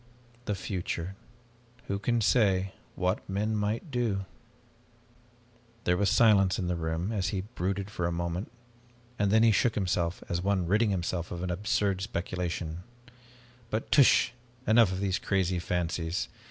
The future who can say what men might do ?" There was silence in the room as he brooded for a moment, and then he shook himself as one ridding himself of absurd speculations. "But tush enough of these crazy fancies.